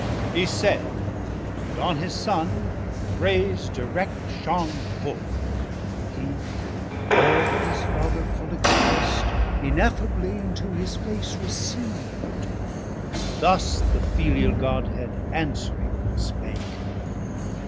He said, and on his Son with Rayes direct Shon full, he all his Father full exprest 720 Ineffably into his face receiv'd, And thus the filial Godhead answering spake.